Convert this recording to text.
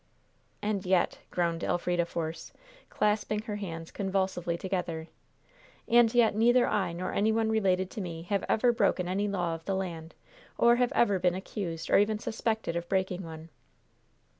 "And yet," groaned Elfrida Force, clasping her hands convulsively together "and yet neither I nor any one related to me have ever broken any law of the land, or have ever been accused or even suspected of breaking one."